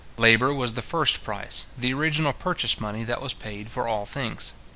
Labour was the first price, the original purchase money that was paid for all things.